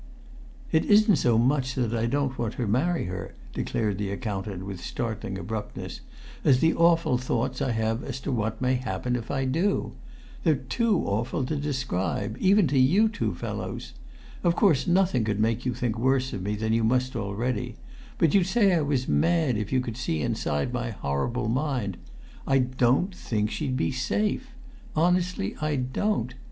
"It isn't so much that I don't want to marry her," declared the accountant with startling abruptness, "as the awful thoughts I have as to what may happen if I do. They're too awful to describe, even to you two fellows. Of course nothing could make you think worse of me than you must already, but you'd say I was mad if you could see inside my horrible mind. I don't think she'd be safe; honestly I don't!